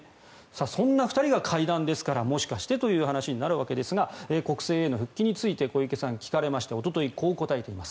そんな２人が会談ですからもしかしてという話になるわけですが国政への復帰について小池さん、聞かれましておととい、こう答えています。